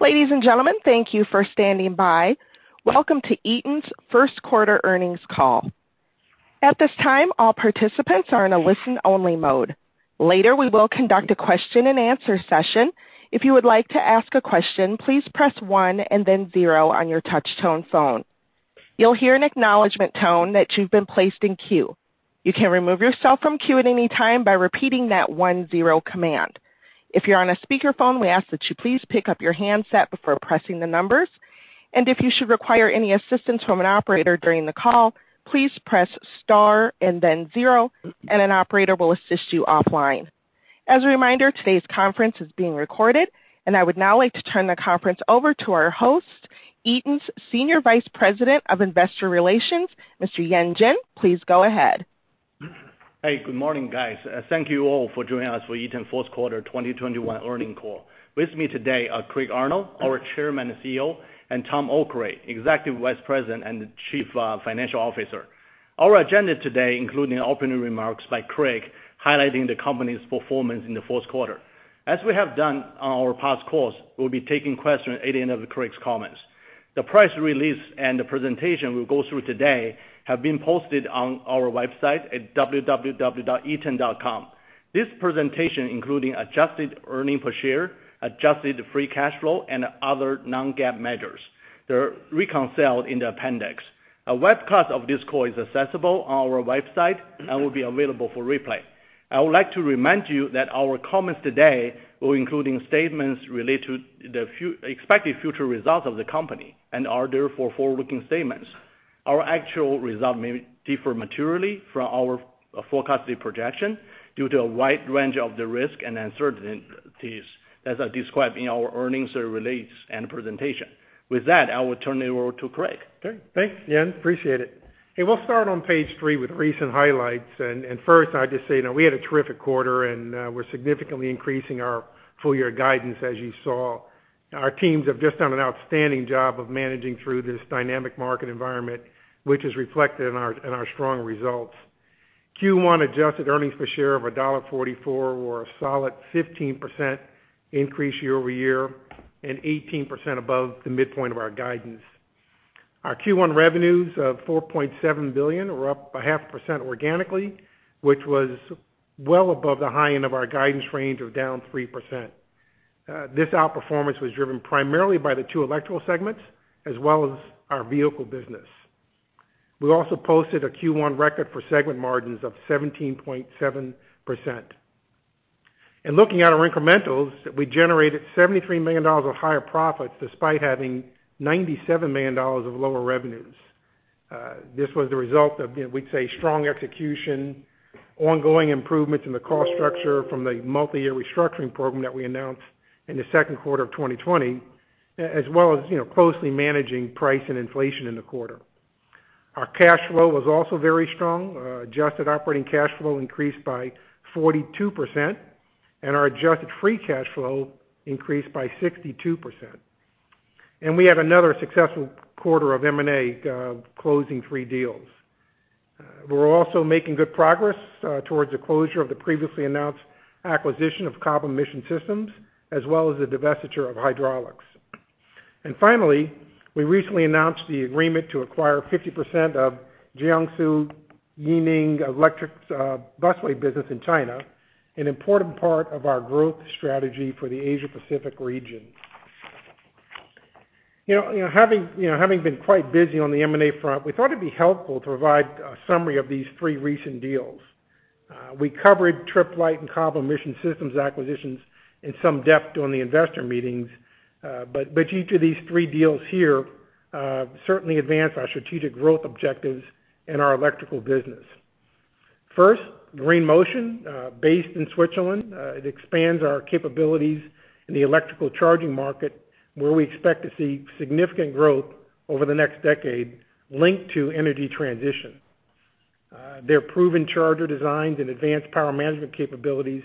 Ladies and gentlemen, thank you for standing by. Welcome to Eaton's first quarter earnings call. At this time, all participants are in a listen-only mode. Later, we will conduct a question and answer session. If you would like to ask a question, please press one and then zero on your touch-tone phone. You'll hear an acknowledgment tone that you've been placed in queue. You can remove yourself from queue at any time by repeating that one zero command. If you're on a speakerphone, we ask that you please pick up your handset before pressing the numbers. If you should require any assistance from an operator during the call, please press star and then zero, and an operator will assist you offline. As a reminder, today's conference is being recorded. I would now like to turn the conference over to our host, Eaton's Senior Vice President of Investor Relations, Mr. Yan Jin. Please go ahead. Hey, good morning, guys. Thank you all for joining us for Eaton first quarter 2021 earnings call. With me today are Craig Arnold, our Chairman and CEO, and Tom Okray, Executive Vice President and Chief Financial Officer. Our agenda today including opening remarks by Craig, highlighting the company's performance in the first quarter. As we have done on our past calls, we'll be taking questions at the end of Craig's comments. The press release and the presentation we'll go through today have been posted on our website at www.eaton.com. This presentation, including adjusted earnings per share, adjusted free cash flow, and other non-GAAP measures. They're reconciled in the appendix. A webcast of this call is accessible on our website and will be available for replay. I would like to remind you that our comments today will include statements related to the expected future results of the company and are therefore forward-looking statements. Our actual result may differ materially from our forecasted projection due to a wide range of the risk and uncertainties as described in our earnings release and presentation. With that, I will turn it over to Craig. Okay, thanks, Yan. Appreciate it. Hey, we'll start on page three with recent highlights. First, I'd just say, we had a terrific quarter, and we're significantly increasing our full-year guidance, as you saw. Our teams have just done an outstanding job of managing through this dynamic market environment, which is reflected in our strong results. Q1 adjusted earnings per share of $1.44 or a solid 15% increase year-over-year and 18% above the midpoint of our guidance. Our Q1 revenues of $4.7 billion are up a half percent organically, which was well above the high end of our guidance range of down 3%. This outperformance was driven primarily by the two electrical segments as well as our vehicle business. We also posted a Q1 record for segment margins of 17.7%. In looking at our incrementals, we generated $73 million of higher profits despite having $97 million of lower revenues. This was the result of, we'd say, strong execution, ongoing improvements in the cost structure from the multi-year restructuring program that we announced in the second quarter of 2020, as well as closely managing price and inflation in the quarter. Our cash flow was also very strong. Adjusted operating cash flow increased by 42%, and our adjusted free cash flow increased by 62%. We had another successful quarter of M&A, closing three deals. We're also making good progress towards the closure of the previously announced acquisition of Cobham Mission Systems, as well as the divestiture of hydraulics. Finally, we recently announced the agreement to acquire 50% of Jiangsu Yineng Electric's busway business in China, an important part of our growth strategy for the Asia-Pacific region. Having been quite busy on the M&A front, we thought it'd be helpful to provide a summary of these three recent deals. We covered Tripp Lite and Cobham Mission Systems acquisitions in some depth during the investor meetings. Each of these three deals here certainly advance our strategic growth objectives in our electrical business. First, Green Motion, based in Switzerland. It expands our capabilities in the electrical charging market, where we expect to see significant growth over the next decade linked to energy transition. Their proven charger designs and advanced power management capabilities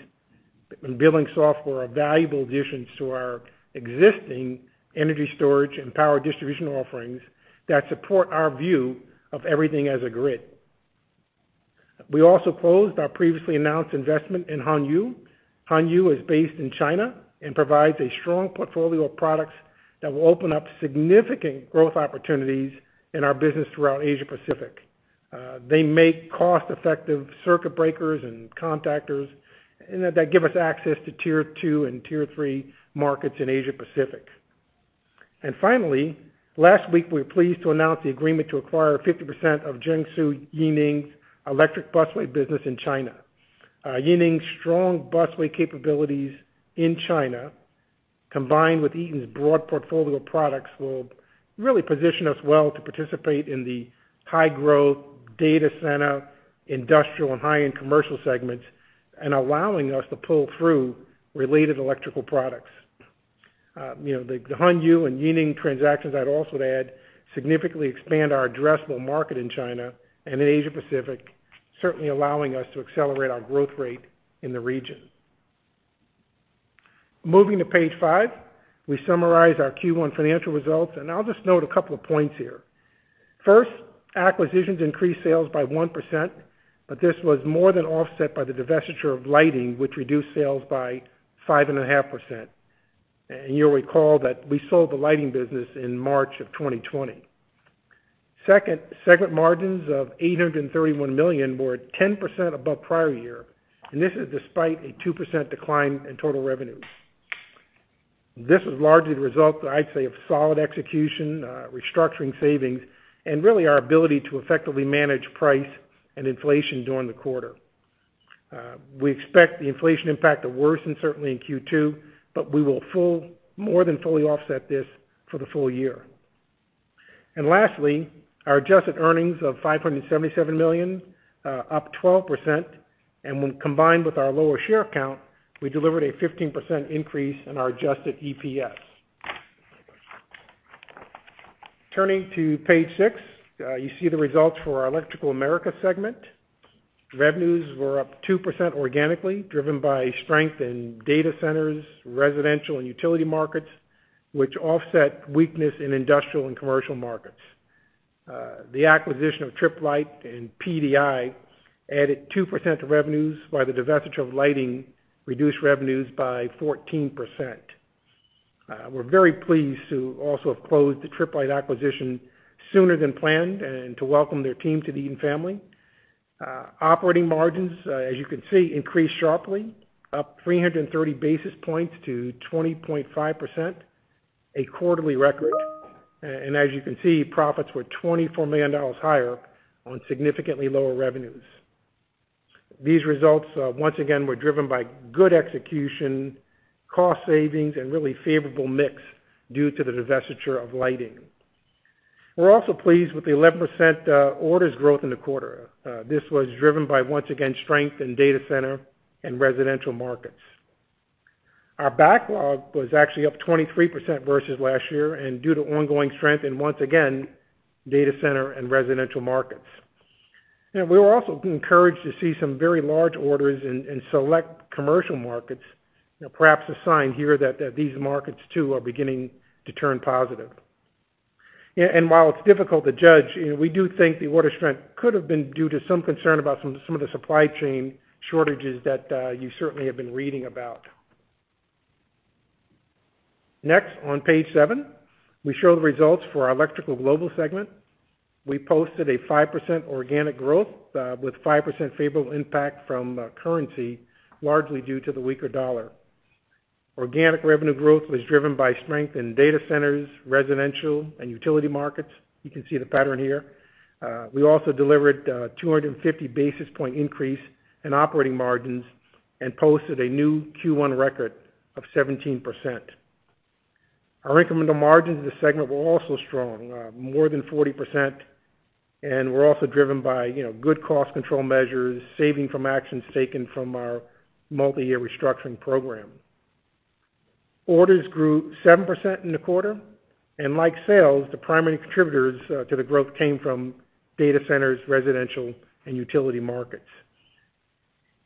and billing software are valuable additions to our existing energy storage and power distribution offerings that support our view of everything as a grid. We also closed our previously announced investment in HuanYu. HuanYu is based in China and provides a strong portfolio of products that will open up significant growth opportunities in our business throughout Asia Pacific. They make cost-effective circuit breakers and contactors and that give us access to tier 2 and tier 3 markets in Asia Pacific. Finally, last week, we were pleased to announce the agreement to acquire 50% of Jiangsu Yineng's Electric busway business in China. Yineng's strong busway capabilities in China, combined with Eaton's broad portfolio of products, will really position us well to participate in the high-growth data center, industrial, and high-end commercial segments and allowing us to pull through related electrical products. The HuanYu and Yineng transactions, I'd also add, significantly expand our addressable market in China and in Asia Pacific, certainly allowing us to accelerate our growth rate in the region. Moving to page five, we summarize our Q1 financial results, and I'll just note a couple of points here. First, acquisitions increased sales by 1%, but this was more than offset by the divestiture of lighting, which reduced sales by 5.5%. You'll recall that we sold the lighting business in March of 2020. Second, segment margins of $831 million were 10% above prior year, and this is despite a 2% decline in total revenues. This is largely the result, I'd say, of solid execution, restructuring savings, and really our ability to effectively manage price and inflation during the quarter. We expect the inflation impact to worsen, certainly in Q2, but we will more than fully offset this for the full year. Lastly, our adjusted earnings of $577 million, up 12%, and when combined with our lower share count, we delivered a 15% increase in our adjusted EPS. Turning to page six, you see the results for our Electrical Americas segment. Revenues were up 2% organically, driven by strength in data centers, residential and utility markets, which offset weakness in industrial and commercial markets. The acquisition of Tripp Lite and PDI added 2% to revenues, while the divestiture of lighting reduced revenues by 14%. We're very pleased to also have closed the Tripp Lite acquisition sooner than planned and to welcome their team to the Eaton family. Operating margins, as you can see, increased sharply, up 330 basis points to 20.5%, a quarterly record. As you can see, profits were $24 million higher on significantly lower revenues. These results, once again, were driven by good execution, cost savings, and really favorable mix due to the divestiture of lighting. We're also pleased with the 11% orders growth in the quarter. This was driven by, once again, strength in data center and residential markets. Our backlog was actually up 23% versus last year, due to ongoing strength in, once again, data center and residential markets. We were also encouraged to see some very large orders in select commercial markets. Perhaps a sign here that these markets too are beginning to turn positive. While it's difficult to judge, we do think the order strength could have been due to some concern about some of the supply chain shortages that you certainly have been reading about. Next, on page seven, we show the results for our Electrical Global segment. We posted a 5% organic growth with 5% favorable impact from currency, largely due to the weaker dollar. Organic revenue growth was driven by strength in data centers, residential, and utility markets. You can see the pattern here. We also delivered a 250 basis point increase in operating margins and posted a new Q1 record of 17%. Our incremental margins in the segment were also strong, more than 40%, and were also driven by good cost control measures, saving from actions taken from our multi-year restructuring program. Orders grew 7% in the quarter. Like sales, the primary contributors to the growth came from data centers, residential, and utility markets.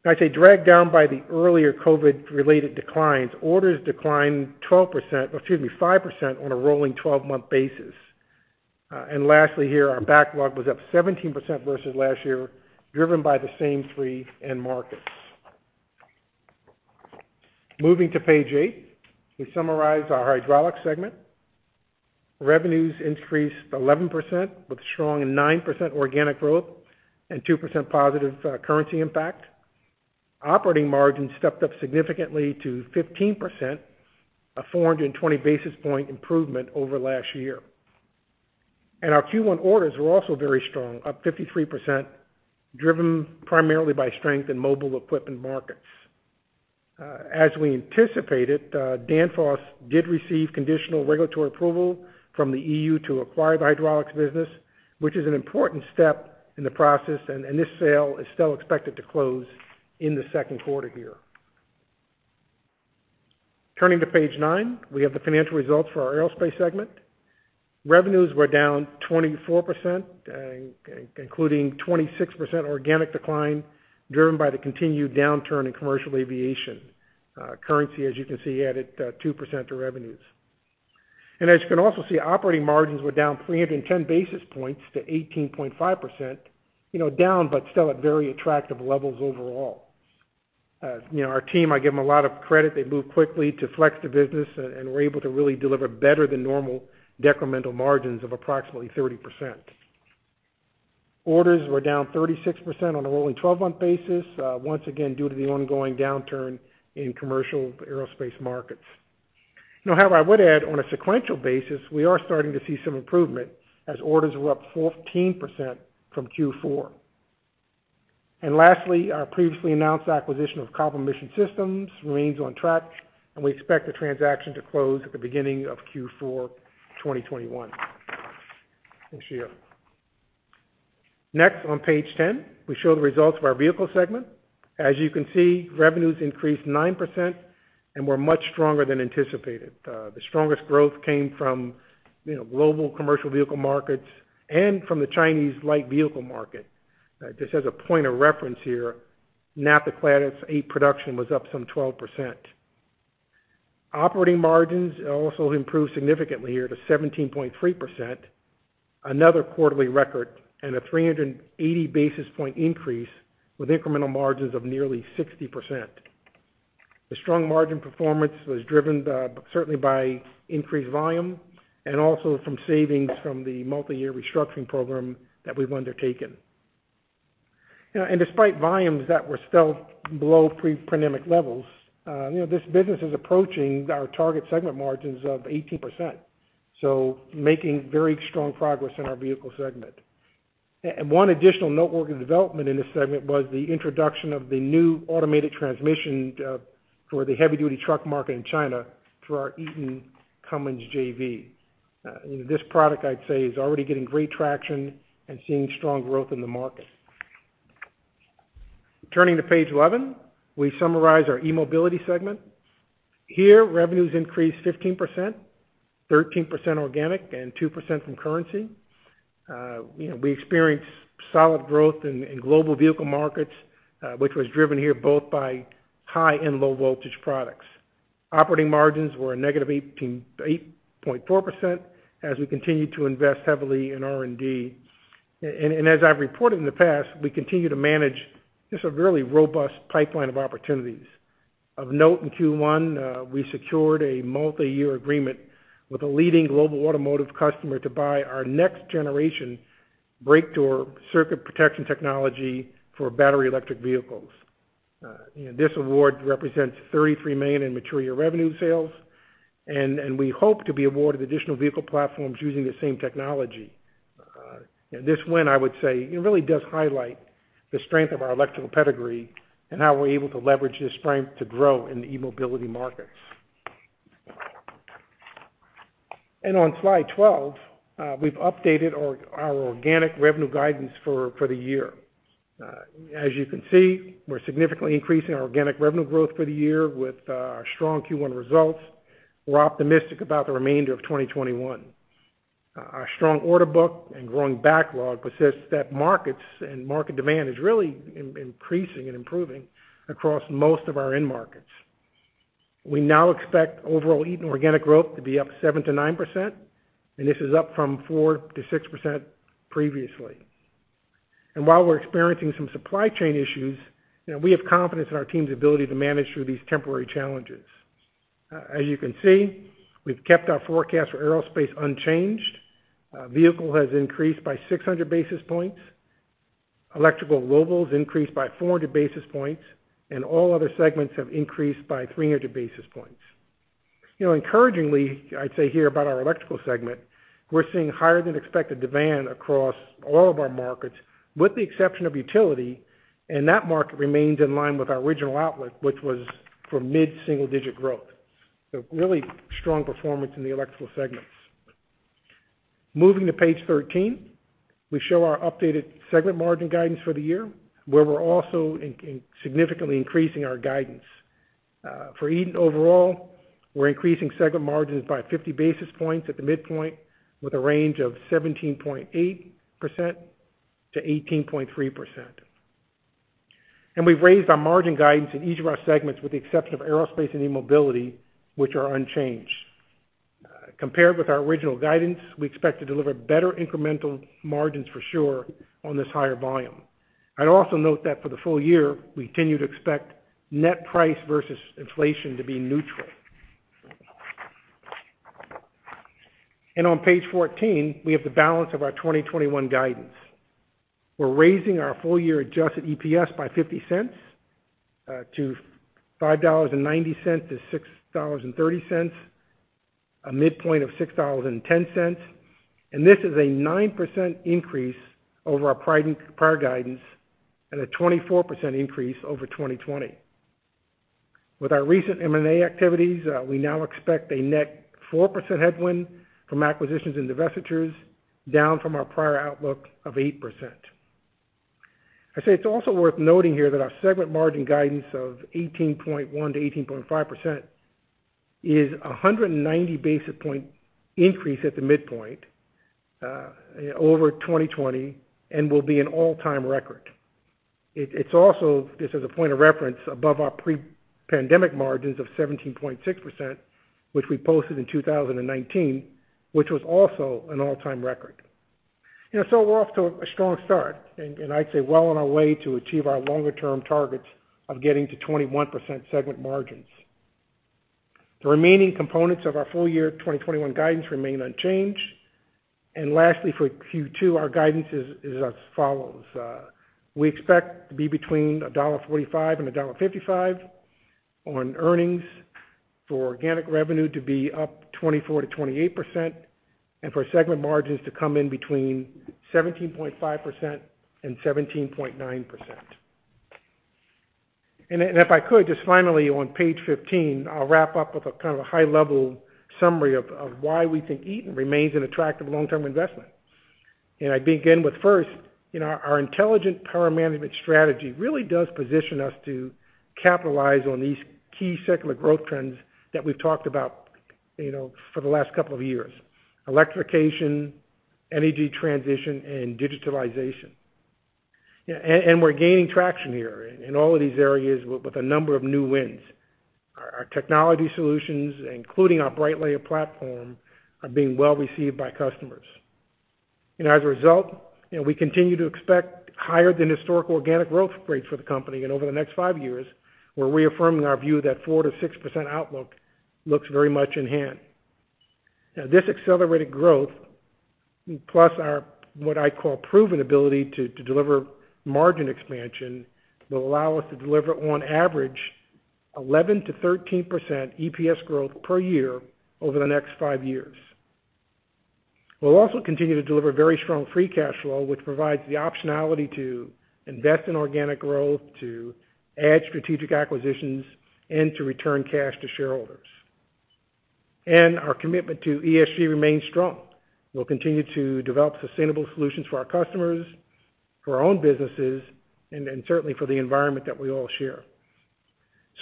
I'd say dragged down by the earlier COVID-related declines, orders declined 5% on a rolling 12-month basis. Lastly here, our backlog was up 17% versus last year, driven by the same three end markets. Moving to page eight, we summarize our Hydraulics segment. Revenues increased 11%, with strong 9% organic growth and 2% positive currency impact. Operating margins stepped up significantly to 15%, a 420 basis point improvement over last year. Our Q1 orders were also very strong, up 53%, driven primarily by strength in mobile equipment markets. As we anticipated, Danfoss did receive conditional regulatory approval from the EU to acquire the hydraulics business, which is an important step in the process, and this sale is still expected to close in the second quarter here. Turning to page nine, we have the financial results for our Aerospace segment. Revenues were down 24%, including 26% organic decline, driven by the continued downturn in commercial aviation. Currency, as you can see, added 2% to revenues. As you can also see, operating margins were down 310 basis points to 18.5%, down, but still at very attractive levels overall. Our team, I give them a lot of credit. They moved quickly to flex the business and were able to really deliver better than normal decremental margins of approximately 30%. Orders were down 36% on a rolling 12-month basis, once again due to the ongoing downturn in commercial aerospace markets. I would add, on a sequential basis, we are starting to see some improvement as orders were up 14% from Q4. Lastly, our previously announced acquisition of Cobham Mission Systems remains on track, and we expect the transaction to close at the beginning of Q4 2021. On page 10, we show the results of our Vehicle Segment. As you can see, revenues increased 9% and were much stronger than anticipated. The strongest growth came from global commercial vehicle markets and from the Chinese light vehicle market. Just as a point of reference here, NAFTA Class 8 production was up some 12%. Operating margins also improved significantly here to 17.3%, another quarterly record and a 380 basis point increase with incremental margins of nearly 60%. The strong margin performance was driven certainly by increased volume and also from savings from the multi-year restructuring program that we've undertaken. Despite volumes that were still below pre-pandemic levels, this business is approaching our target segment margins of 18%. Making very strong progress in our vehicle segment. One additional noteworthy development in this segment was the introduction of the new automated transmission for the heavy-duty truck market in China through our Eaton Cummins JV. This product, I'd say, is already getting great traction and seeing strong growth in the market. Turning to page 11, we summarize our eMobility segment. Here, revenues increased 15%, 13% organic, and 2% from currency. We experienced solid growth in global vehicle markets, which was driven here both by high and low-voltage products. Operating margins were a negative 8.4% as we continue to invest heavily in R&D. As I've reported in the past, we continue to manage just a really robust pipeline of opportunities. Of note in Q1, we secured a multi-year agreement with a leading global automotive customer to buy our next generation Breaktor circuit protection technology for battery electric vehicles. This award represents $33 million in material revenue sales, and we hope to be awarded additional vehicle platforms using the same technology. This win, I would say, really does highlight the strength of our electrical pedigree and how we're able to leverage this strength to grow in the eMobility markets. On slide 12, we've updated our organic revenue guidance for the year. As you can see, we're significantly increasing our organic revenue growth for the year with our strong Q1 results. We're optimistic about the remainder of 2021. Our strong order book and growing backlog persists that markets and market demand is really increasing and improving across most of our end markets. We now expect overall Eaton organic growth to be up 7%-9%, this is up from 4%-6% previously. While we're experiencing some supply chain issues, we have confidence in our team's ability to manage through these temporary challenges. As you can see, we've kept our forecast for aerospace unchanged. Vehicle has increased by 600 basis points. Electrical Global increased by 400 basis points, all other segments have increased by 300 basis points. Encouragingly, I'd say here about our electrical segment, we're seeing higher than expected demand across all of our markets, with the exception of utility, that market remains in line with our original outlook, which was for mid-single digit growth. Really strong performance in the electrical segments. Moving to page 13, we show our updated segment margin guidance for the year, where we're also significantly increasing our guidance. For Eaton overall, we're increasing segment margins by 50 basis points at the midpoint, with a range of 17.8%-18.3%. We've raised our margin guidance in each of our segments, with the exception of aerospace and eMobility, which are unchanged. Compared with our original guidance, we expect to deliver better incremental margins for sure on this higher volume. I'd also note that for the full year, we continue to expect net price versus inflation to be neutral. On page 14, we have the balance of our 2021 guidance. We're raising our full year adjusted EPS by $0.50 to $5.90-$6.30, a midpoint of $6.10. This is a 9% increase over our prior guidance and a 24% increase over 2020. With our recent M&A activities, we now expect a net 4% headwind from acquisitions and divestitures, down from our prior outlook of 8%. I'd say it's also worth noting here that our segment margin guidance of 18.1%-18.5% is 190 basis point increase at the midpoint over 2020 and will be an all-time record. It's also, just as a point of reference, above our pre-pandemic margins of 17.6%, which we posted in 2019, which was also an all-time record. We're off to a strong start, and I'd say well on our way to achieve our longer term targets of getting to 21% segment margins. The remaining components of our full year 2021 guidance remain unchanged. Lastly, for Q2, our guidance is as follows. We expect to be between $1.45-$1.55 on earnings, for organic revenue to be up 24%-28%, for segment margins to come in between 17.5%-17.9%. If I could, just finally on page 15, I'll wrap up with a kind of a high level summary of why we think Eaton remains an attractive long-term investment. I begin with first, our intelligent power management strategy really does position us to capitalize on these key secular growth trends that we've talked about for the last couple of years. Electrification, energy transition, and digitalization. We're gaining traction here in all of these areas with a number of new wins. Our technology solutions, including our Brightlayer platform, are being well-received by customers. As a result, we continue to expect higher than historical organic growth rates for the company. Over the next five years, we're reaffirming our view that 4%-6% outlook looks very much in hand. This accelerated growth, plus our, what I call proven ability to deliver margin expansion, will allow us to deliver on average 11%-13% EPS growth per year over the next five years. We'll also continue to deliver very strong free cash flow, which provides the optionality to invest in organic growth, to add strategic acquisitions, and to return cash to shareholders. Our commitment to ESG remains strong. We'll continue to develop sustainable solutions for our customers, for our own businesses, and certainly for the environment that we all share.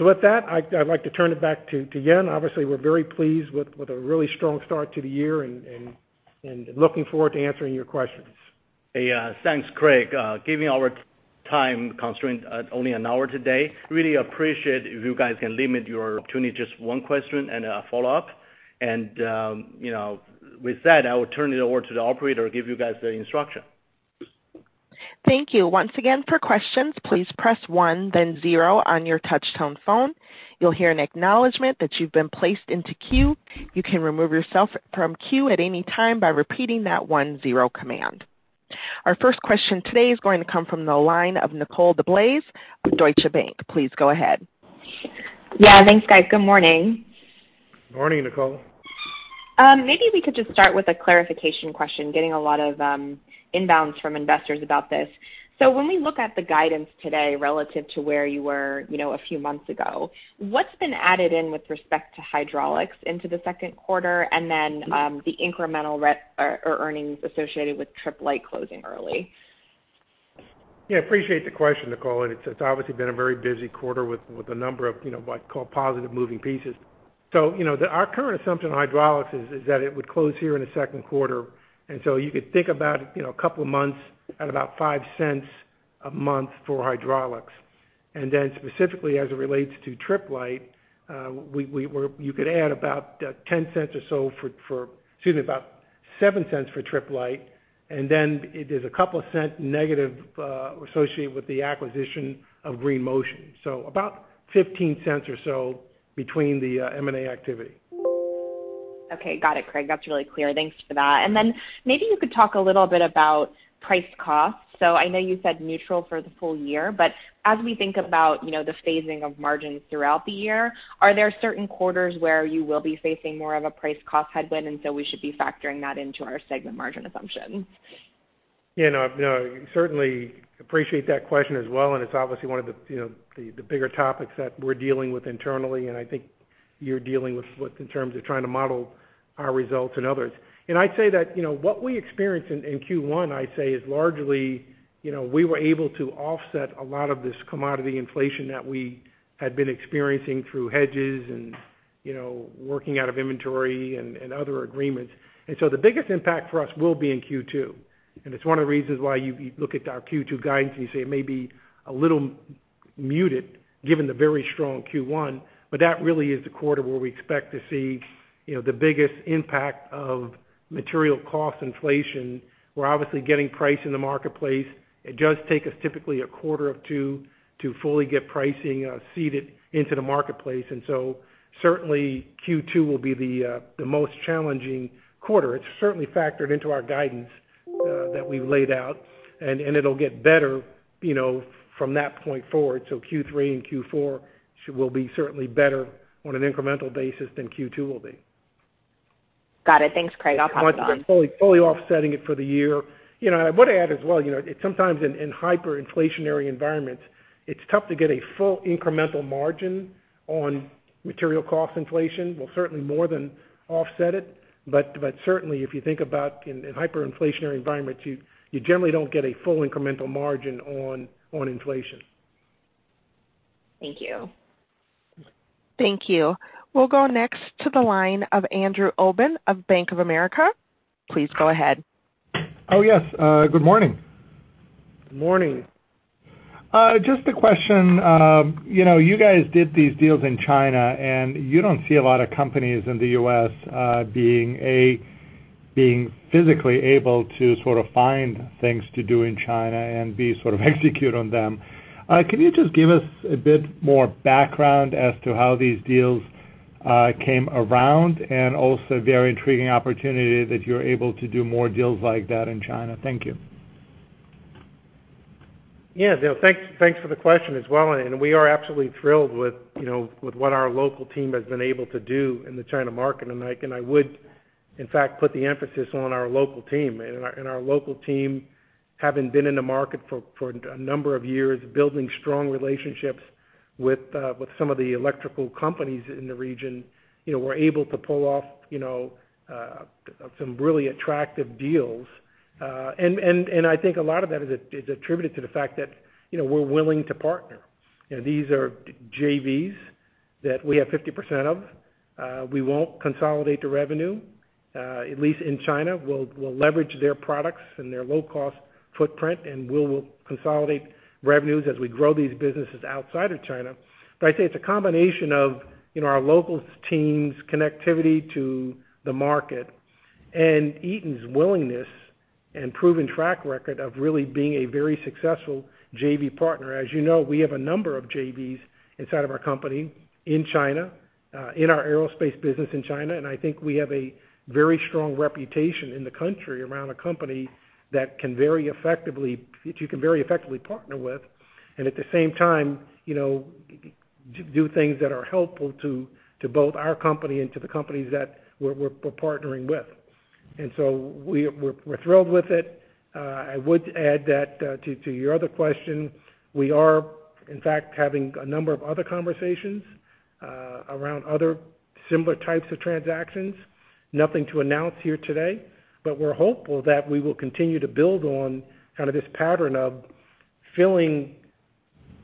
With that, I'd like to turn it back to Yan. Obviously, we're very pleased with a really strong start to the year and looking forward to answering your questions. Thanks, Craig. Given our time constraint at only an hour today, really appreciate if you guys can limit your opportunity to just one question and a follow-up. With that, I will turn it over to the operator to give you guys the instruction. Thank you once again for questions. Please press one then zero on your touchtone phone. You'll hear an acknowledgement that you've been placed into queue. You can remove yourself from queue at any time by repeating that one zero command. Our first question today is going to come from the line of Nicole DeBlase of Deutsche Bank. Please go ahead. Yeah, thanks, guys. Good morning. Morning, Nicole. Maybe we could just start with a clarification question, getting a lot of inbounds from investors about this. When we look at the guidance today relative to where you were a few months ago, what's been added in with respect to hydraulics into the second quarter, and then the incremental earnings associated with Tripp Lite closing early? Yeah, appreciate the question, Nicole, and it's obviously been a very busy quarter with a number of what I'd call positive moving pieces. Our current assumption on hydraulics is that it would close here in the second quarter, you could think about a couple of months at about $0.05 a month for hydraulics. Specifically as it relates to Tripp Lite, you could add about $0.10 or so for excuse me, about $0.07 for Tripp Lite, there's a couple of cent negative associated with the acquisition of Green Motion. About $0.15 or so between the M&A activity. Okay, got it, Craig. That's really clear. Thanks for that. Maybe you could talk a little bit about price cost. I know you said neutral for the full year, but as we think about the phasing of margins throughout the year, are there certain quarters where you will be facing more of a price cost headwind, and so we should be factoring that into our segment margin assumptions? Yeah, no, certainly appreciate that question as well. It's obviously one of the bigger topics that we're dealing with internally, and I think you're dealing with in terms of trying to model our results and others. I'd say that what we experienced in Q1, I'd say, is largely we were able to offset a lot of this commodity inflation that we had been experiencing through hedges and working out of inventory and other agreements. The biggest impact for us will be in Q2. It's one of the reasons why you look at our Q2 guidance and you say it may be a little muted given the very strong Q1, but that really is the quarter where we expect to see the biggest impact of material cost inflation. We're obviously getting price in the marketplace. It does take us typically a quarter or two to fully get pricing seated into the marketplace. Certainly Q2 will be the most challenging quarter. It is certainly factored into our guidance that we have laid out, and it will get better from that point forward. Q3 and Q4 will be certainly better on an incremental basis than Q2 will be. Got it. Thanks, Craig. I'll pop off. Fully offsetting it for the year. I would add as well, sometimes in hyperinflationary environments, it is tough to get a full incremental margin on material cost inflation. We'll certainly more than offset it. Certainly, if you think about in hyperinflationary environments, you generally don't get a full incremental margin on inflation. Thank you. Thank you. We'll go next to the line of Andrew Obin of Bank of America. Please go ahead. Oh, yes. Good morning. Morning. Just a question. You guys did these deals in China, and you don't see a lot of companies in the U.S. being, A, being physically able to sort of find things to do in China and, B, sort of execute on them. Can you just give us a bit more background as to how these deals came around and also very intriguing opportunity that you're able to do more deals like that in China? Thank you. Yeah, thanks for the question as well. We are absolutely thrilled with what our local team has been able to do in the China market. I would, in fact, put the emphasis on our local team. Our local team, having been in the market for a number of years, building strong relationships with some of the electrical companies in the region, were able to pull off some really attractive deals. I think a lot of that is attributed to the fact that we're willing to partner. These are JVs that we have 50% of. We won't consolidate the revenue, at least in China. We'll leverage their products and their low-cost footprint, and we will consolidate revenues as we grow these businesses outside of China. I'd say it's a combination of our local teams' connectivity to the market and Eaton's willingness and proven track record of really being a very successful JV partner. As you know, we have a number of JVs inside of our company in China, in our aerospace business in China, and I think we have a very strong reputation in the country around a company that you can very effectively partner with, and at the same time, do things that are helpful to both our company and to the companies that we're partnering with. We're thrilled with it. I would add that to your other question, we are in fact having a number of other conversations around other similar types of transactions. Nothing to announce here today, but we're hopeful that we will continue to build on kind of this pattern of filling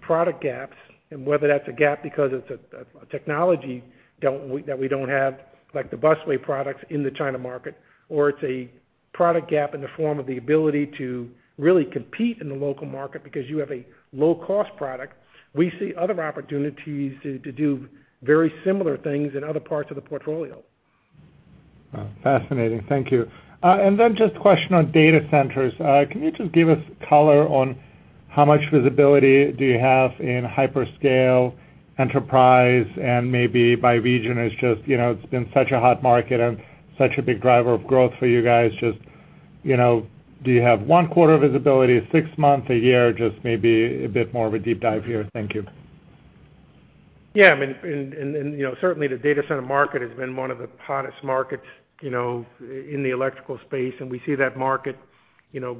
product gaps, and whether that's a gap because it's a technology that we don't have, like the busway products in the China market, or it's a product gap in the form of the ability to really compete in the local market because you have a low-cost product. We see other opportunities to do very similar things in other parts of the portfolio. Wow, fascinating. Thank you. Just a question on data centers. Can you just give us color on how much visibility do you have in hyperscale, enterprise, and maybe by region as just, it's been such a hot market and such a big driver of growth for you guys. Just, do you have one quarter visibility, six months, a year? Just maybe a bit more of a deep dive here. Thank you. Yeah, certainly the data center market has been one of the hottest markets in the electrical space, and we see that market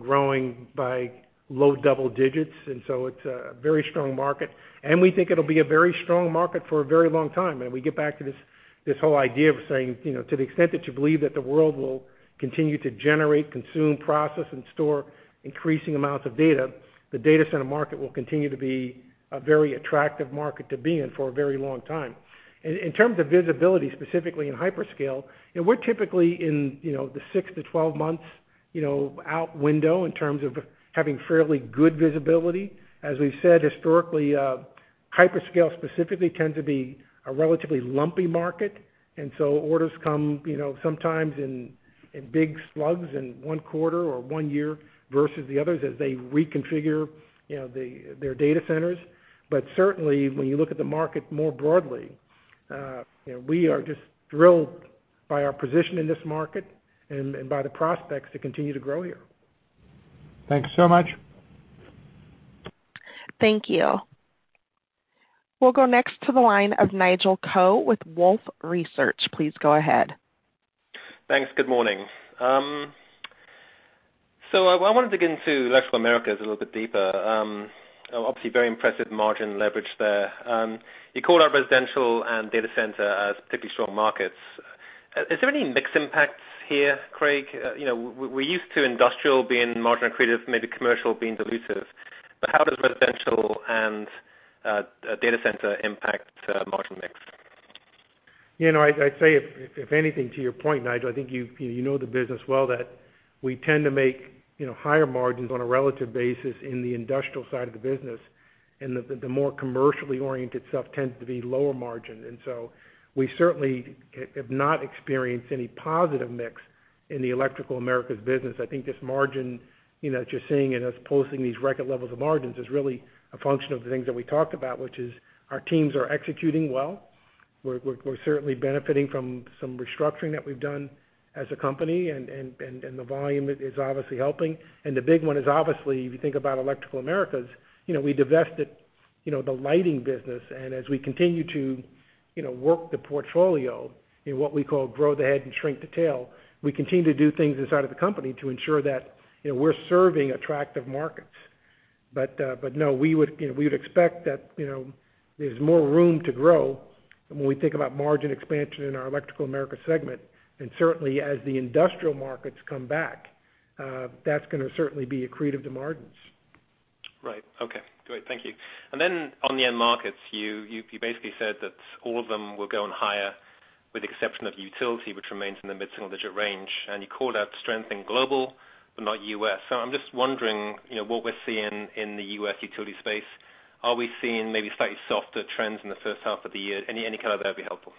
growing by low double digits. It's a very strong market, and we think it'll be a very strong market for a very long time. We get back to this whole idea of saying, to the extent that you believe that the world will continue to generate, consume, process, and store increasing amounts of data, the data center market will continue to be a very attractive market to be in for a very long time. In terms of visibility, specifically in hyperscale, we're typically in the 6-12 months out window in terms of having fairly good visibility. As we've said historically, hyperscale specifically tends to be a relatively lumpy market, and so orders come sometimes in big slugs in one quarter or one year versus the others as they reconfigure their data centers. Certainly, when you look at the market more broadly, we are just thrilled by our position in this market and by the prospects to continue to grow here. Thanks so much. Thank you. We'll go next to the line of Nigel Coe with Wolfe Research. Please go ahead. Thanks. Good morning. I want to dig into Electrical Americas a little bit deeper. Obviously very impressive margin leverage there. You called out residential and data center as particularly strong markets. Is there any mix impacts here, Craig? We're used to industrial being margin accretive, maybe commercial being dilutive, but how does residential and data center impact margin mix? I'd say if anything, to your point, Nigel, I think you know the business well, that we tend to make higher margins on a relative basis in the industrial side of the business, and the more commercially oriented stuff tends to be lower margin. We certainly have not experienced any positive mix in the Electrical Americas business. I think this margin that you're seeing and us posting these record levels of margins is really a function of the things that we talked about, which is our teams are executing well. We're certainly benefiting from some restructuring that we've done as a company, and the volume is obviously helping. The big one is obviously, if you think about Electrical Americas, we divested the lighting business, and as we continue to work the portfolio in what we call grow the head and shrink the tail, we continue to do things inside of the company to ensure that we're serving attractive markets. No, we would expect that there's more room to grow when we think about margin expansion in our Electrical America segment, and certainly as the industrial markets come back, that's going to certainly be accretive to margins. Right. Okay, great. Thank you. On the end markets, you basically said that all of them were going higher with the exception of utility, which remains in the mid-single digit range, you called out strength in Electrical Global, but not U.S. I'm just wondering, what we're seeing in the U.S. utility space, are we seeing maybe slightly softer trends in the first half of the year? Any color there would be helpful.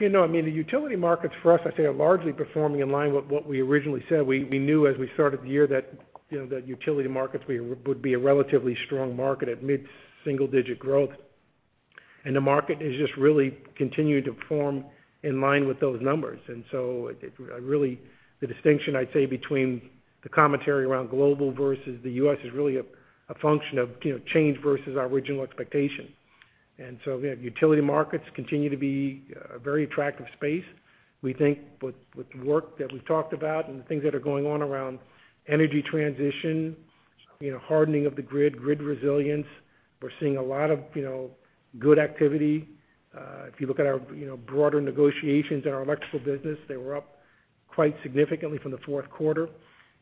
The utility markets for us, I'd say, are largely performing in line with what we originally said. We knew as we started the year that utility markets would be a relatively strong market at mid-single digit growth. The market has just really continued to perform in line with those numbers. Really, the distinction, I'd say, between the commentary around global versus the U.S. is really a function of change versus our original expectation. We have utility markets continue to be a very attractive space. We think with the work that we've talked about and the things that are going on around energy transition, hardening of the grid resilience, we're seeing a lot of good activity. If you look at our broader negotiations in our electrical business, they were up quite significantly from the first quarter.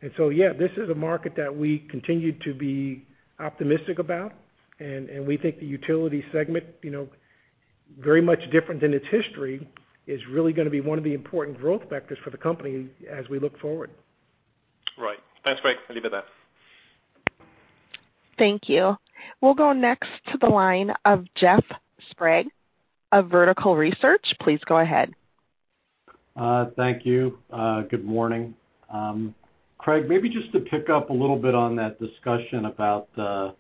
Yes, this is a market that we continue to be optimistic about. We think the utility segment, very much different than its history, is really going to be one of the important growth vectors for the company as we look forward. Right. Thanks, Craig. I'll leave it at that. Thank you. We'll go next to the line of Jeffrey Sprague of Vertical Research. Please go ahead. Thank you. Good morning. Craig, maybe just to pick up a little bit on that discussion about the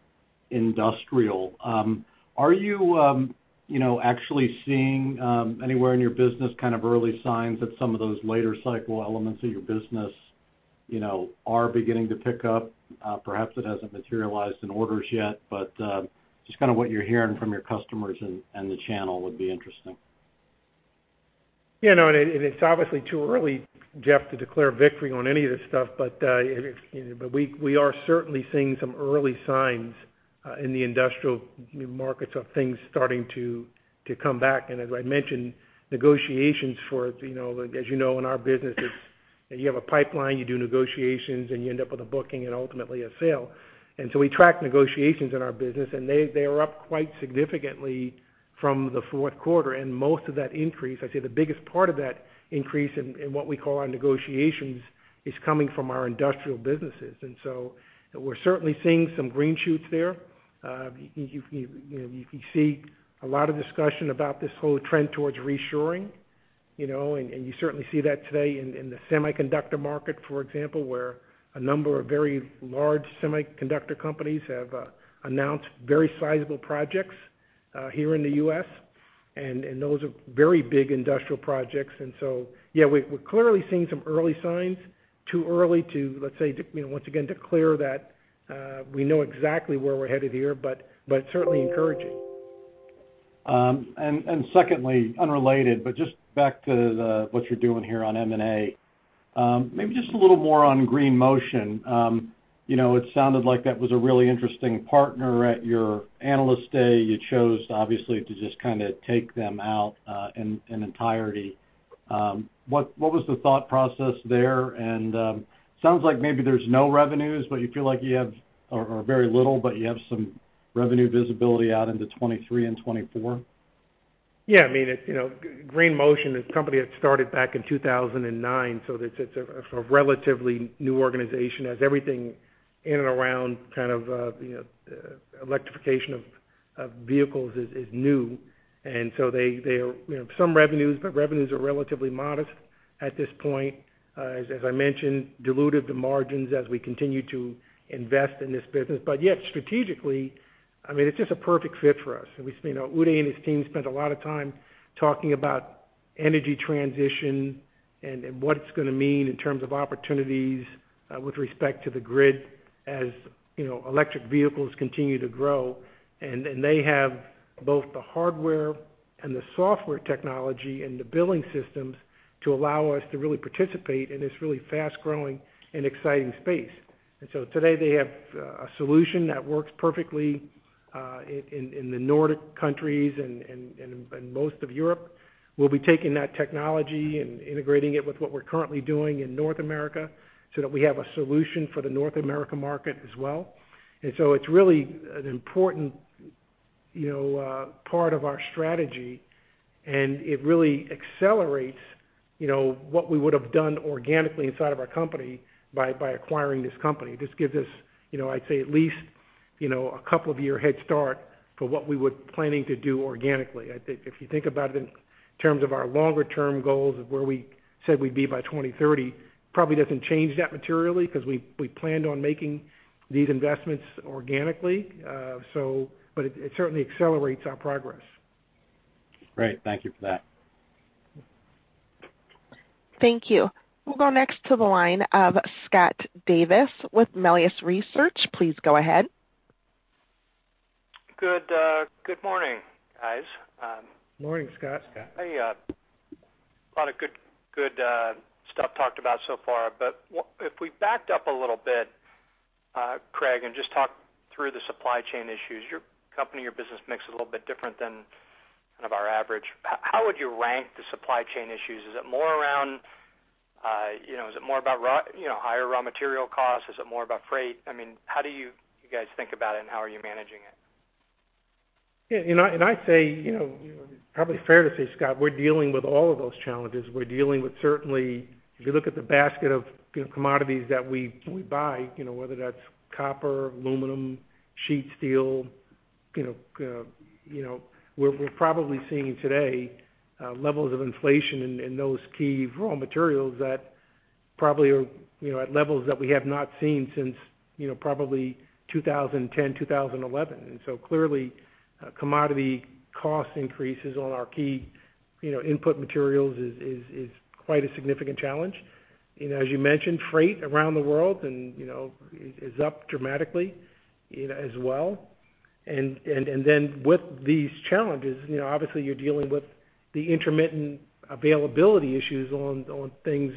industrial. Are you actually seeing anywhere in your business kind of early signs that some of those later cycle elements of your business are beginning to pick up? Perhaps it hasn't materialized in orders yet, but just kind of what you're hearing from your customers and the channel would be interesting. No, it's obviously too early, Jeff, to declare victory on any of this stuff, but we are certainly seeing some early signs in the industrial markets of things starting to come back. As I mentioned, negotiations for, as you know, in our businesses, you have a pipeline, you do negotiations, and you end up with a booking and ultimately a sale. We track negotiations in our business, they are up quite significantly from the fourth quarter, most of that increase, I'd say the biggest part of that increase in what we call our negotiations, is coming from our industrial businesses. We're certainly seeing some green shoots there. You can see a lot of discussion about this whole trend towards reshoring, you certainly see that today in the semiconductor market, for example, where a number of very large semiconductor companies have announced very sizable projects here in the U.S., those are very big industrial projects. Yes, we're clearly seeing some early signs. Too early to, let's say, once again, declare that we know exactly where we're headed here, but certainly encouraging. Secondly, unrelated, but just back to what you're doing here on M&A. Maybe just a little more on Green Motion. It sounded like that was a really interesting partner at your Analyst Day. You chose, obviously, to just kind of take them out in entirety. What was the thought process there? Sounds like maybe there's no revenues, but you feel like you have, or very little, but you have some revenue visibility out into 2023 and 2024? Green Motion is a company that started back in 2009. It's a relatively new organization, as everything in and around electrification of vehicles is new. Some revenues. Revenues are relatively modest at this point. As I mentioned, diluted the margins as we continue to invest in this business. Yet, strategically, it's just a perfect fit for us. Uday and his team spent a lot of time talking about energy transition and what it's going to mean in terms of opportunities with respect to the grid as electric vehicles continue to grow. They have both the hardware and the software technology and the billing systems to allow us to really participate in this really fast-growing and exciting space. Today they have a solution that works perfectly in the Nordic countries and most of Europe. We'll be taking that technology and integrating it with what we're currently doing in North America so that we have a solution for the North America market as well. It's really an important part of our strategy, and it really accelerates what we would've done organically inside of our company by acquiring this company. This gives us, I'd say, at least a couple of year head start for what we were planning to do organically. I think if you think about it in terms of our longer term goals of where we said we'd be by 2030, probably doesn't change that materially because we planned on making these investments organically. It certainly accelerates our progress. Great. Thank you for that. Thank you. We'll go next to the line of Scott Davis with Melius Research. Please go ahead. Good morning, guys. Morning, Scott. Scott. A lot of good stuff talked about so far. If we backed up a little bit, Craig, and just talked through the supply chain issues. Your company, your business mix is a little bit different than kind of our average. How would you rank the supply chain issues? Is it more about higher raw material costs? Is it more about freight? How do you guys think about it, and how are you managing it? I'd say, probably fair to say, Scott, we're dealing with all of those challenges. We're dealing with certainly, if you look at the basket of commodities that we buy, whether that's copper, aluminum, sheet steel, we're probably seeing today levels of inflation in those key raw materials that probably are at levels that we have not seen since probably 2010, 2011. Clearly, commodity cost increases on our key input materials is quite a significant challenge. As you mentioned, freight around the world is up dramatically as well. With these challenges, obviously you're dealing with the intermittent availability issues on things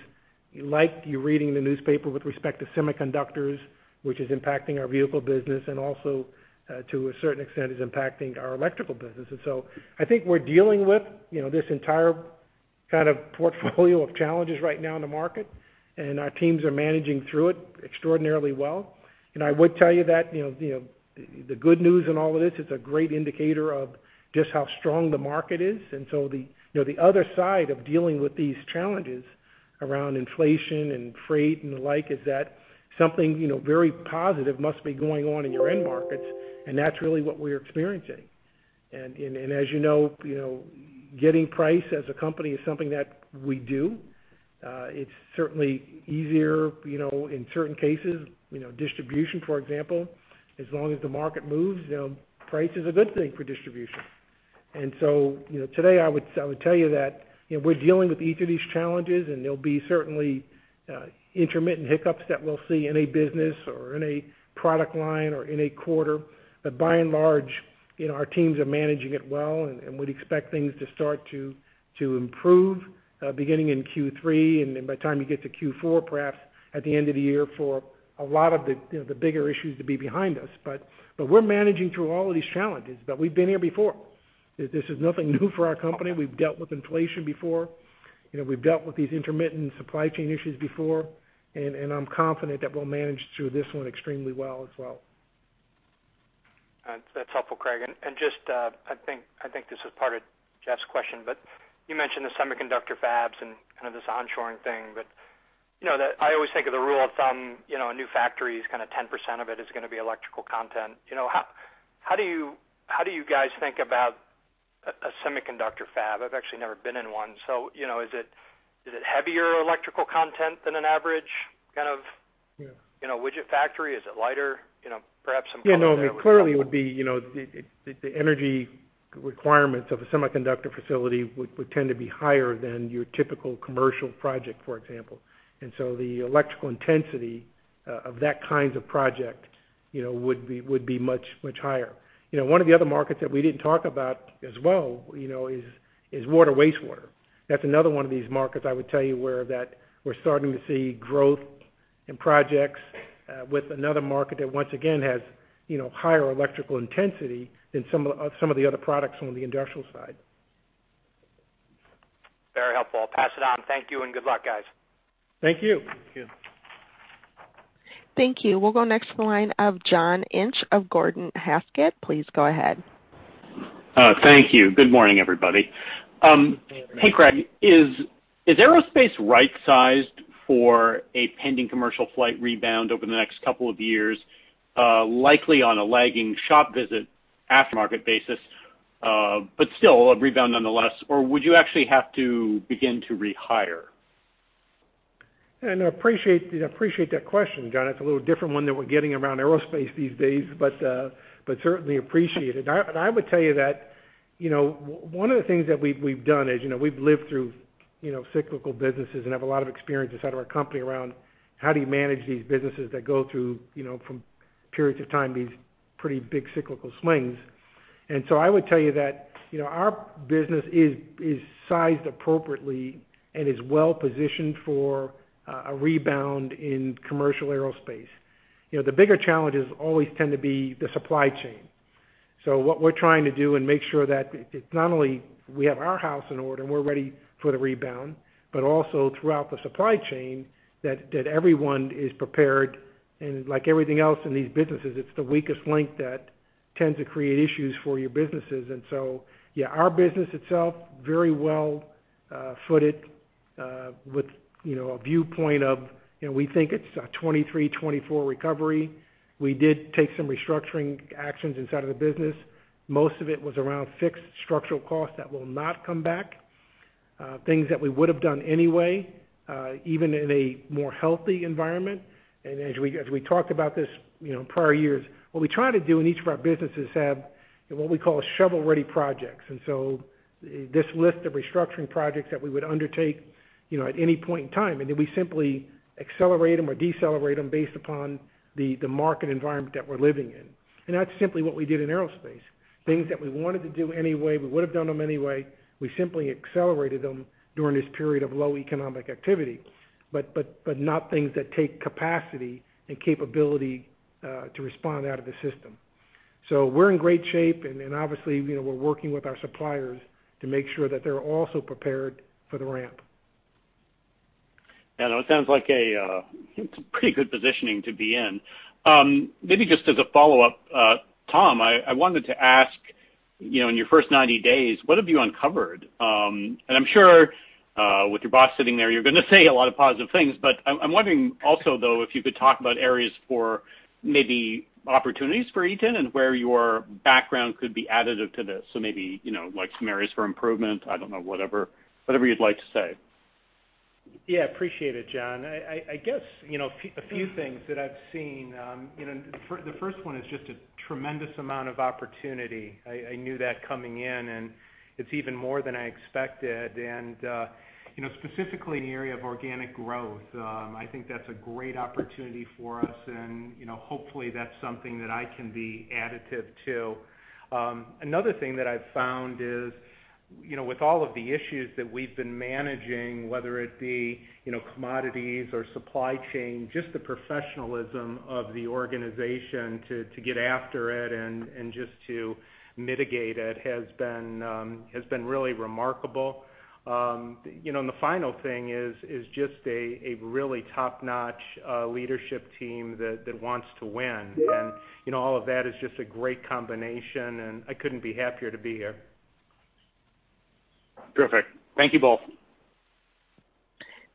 like you're reading in the newspaper with respect to semiconductors, which is impacting our vehicle business and also, to a certain extent, is impacting our electrical business. I think we're dealing with this entire kind of portfolio of challenges right now in the market, and our teams are managing through it extraordinarily well. I would tell you that the good news in all of this is a great indicator of just how strong the market is. The other side of dealing with these challenges around inflation and freight and the like is that something very positive must be going on in your end markets, and that's really what we're experiencing. As you know, getting price as a company is something that we do. It's certainly easier, in certain cases, distribution, for example. As long as the market moves, price is a good thing for distribution. Today I would tell you that we're dealing with each of these challenges, and there'll be certainly intermittent hiccups that we'll see in a business or in a product line or in a quarter. By and large, our teams are managing it well, and we'd expect things to start to improve, beginning in Q3, and then by the time you get to Q4, perhaps at the end of the year for a lot of the bigger issues to be behind us. We're managing through all of these challenges, but we've been here before. This is nothing new for our company. We've dealt with inflation before. We've dealt with these intermittent supply chain issues before, and I'm confident that we'll manage through this one extremely well as well. That's helpful, Craig. Just, I think this is part of Jeff's question, you mentioned the semiconductor fabs and kind of this onshoring thing. I always think of the rule of thumb, a new factory is kind of 10% of it is going to be electrical content. How do you guys think about a semiconductor fab? I've actually never been in one. Is it heavier electrical content than an average kind of- Yeah widget factory? Is it lighter? Perhaps some color there would be helpful. Yeah, no, clearly the energy requirements of a semiconductor facility would tend to be higher than your typical commercial project, for example. The electrical intensity of that kind of project would be much higher. One of the other markets that we didn't talk about as well is water wastewater. That's another one of these markets I would tell you where that we're starting to see growth in projects with another market that once again has higher electrical intensity than some of the other products on the industrial side. Very helpful. I'll pass it on. Thank you and good luck, guys. Thank you. Thank you. We'll go next to the line of John Inch of Gordon Haskett. Please go ahead. Thank you. Good morning, everybody. Good morning. Hey, Craig. Is aerospace right-sized for a pending commercial flight rebound over the next couple of years, likely on a lagging shop visit aftermarket basis, but still a rebound nonetheless, or would you actually have to begin to rehire? I appreciate that question, John. It's a little different one than we're getting around aerospace these days, but certainly appreciate it. I would tell you that one of the things that we've done is we've lived through cyclical businesses and have a lot of experience inside of our company around how do you manage these businesses that go through, from periods of time, these pretty big cyclical swings. I would tell you that our business is sized appropriately and is well-positioned for a rebound in commercial aerospace. The bigger challenges always tend to be the supply chain. What we're trying to do and make sure that it's not only we have our house in order and we're ready for the rebound, but also throughout the supply chain that everyone is prepared, and like everything else in these businesses, it's the weakest link that tends to create issues for your businesses. Yeah, our business itself, very well footed, with a viewpoint of we think it's a 2023, 2024 recovery. We did take some restructuring actions inside of the business. Most of it was around fixed structural costs that will not come back. Things that we would've done anyway, even in a more healthy environment. As we talked about this in prior years, what we try to do in each of our businesses have what we call shovel-ready projects. This list of restructuring projects that we would undertake at any point in time, and then we simply accelerate them or decelerate them based upon the market environment that we're living in. That's simply what we did in aerospace. Things that we wanted to do anyway, we would've done them anyway. We simply accelerated them during this period of low economic activity. Not things that take capacity and capability to respond out of the system. We're in great shape, and obviously we're working with our suppliers to make sure that they're also prepared for the ramp. Yeah, no, it sounds like a pretty good positioning to be in. Maybe just as a follow-up, Tom, I wanted to ask, in your first 90 days, what have you uncovered? I'm sure, with your boss sitting there, you're going to say a lot of positive things, but I'm wondering also, though, if you could talk about areas for maybe opportunities for Eaton and where your background could be additive to this. Maybe some areas for improvement, I don't know, whatever you'd like to say. Yeah. Appreciate it, John. I guess, a few things that I've seen. The first one is just a tremendous amount of opportunity. I knew that coming in, it's even more than I expected. Specifically in the area of organic growth, I think that's a great opportunity for us and, hopefully that's something that I can be additive to. Another thing that I've found is, with all of the issues that we've been managing, whether it be commodities or supply chain, just the professionalism of the organization to get after it and just to mitigate it has been really remarkable. The final thing is just a really top-notch leadership team that wants to win. All of that is just a great combination, and I couldn't be happier to be here. Perfect. Thank you both.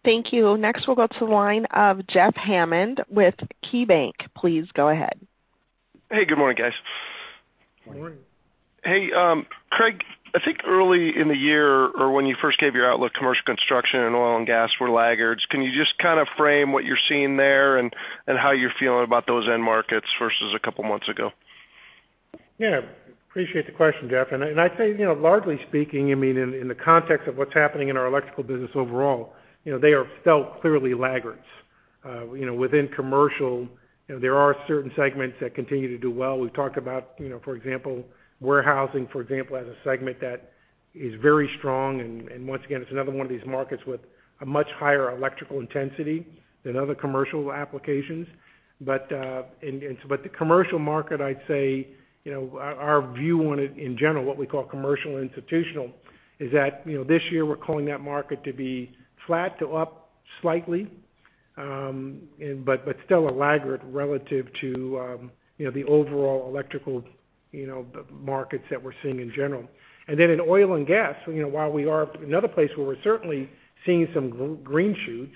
Thank you. Next, we'll go to the line of Jeffrey Hammond with KeyBanc. Please go ahead. Hey, good morning, guys. Good morning. Hey, Craig. I think early in the year or when you first gave your outlook, commercial construction and oil and gas were laggards. Can you just kind of frame what you're seeing there and how you're feeling about those end markets versus a couple of months ago? Yeah. Appreciate the question, Jeffrey. I'd say, largely speaking, in the context of what's happening in our electrical business overall, they are still clearly laggards. Within commercial, there are certain segments that continue to do well. We've talked about, for example, warehousing, for example, as a segment that is very strong. Once again, it's another one of these markets with a much higher electrical intensity than other commercial applications. The commercial market, I'd say, our view on it in general, what we call commercial institutional, is that this year we're calling that market to be flat to up slightly. Still a laggard relative to the overall electrical markets that we're seeing in general. In oil and gas, while we are in another place where we're certainly seeing some green shoots